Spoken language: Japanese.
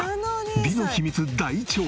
美の秘密大調査！